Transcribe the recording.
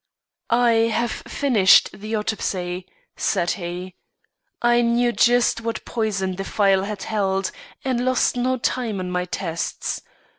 "I have finished the autopsy," said he. "I knew just what poison the phial had held, and lost no time in my tests.